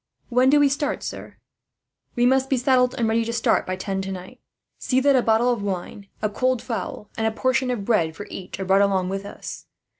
"When do we start, sir?" "We must be saddled, and ready to start, by ten tonight. See that a bottle of wine, a cold fowl, and a portion of bread for each are brought along with us.